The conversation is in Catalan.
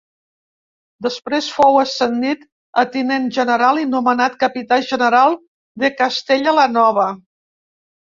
Després fou ascendit a tinent general i nomenat Capità General de Castella la Nova.